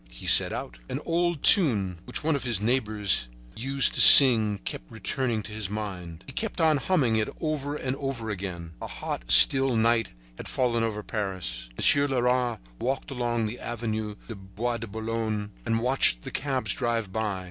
He set out. An old tune which one of his neighbors used to sing kept returning to his mind. He kept on humming it over and over again. A hot, still night had fallen over Paris. Monsieur Leras walked along the Avenue du Bois de Boulogne and watched the cabs drive by.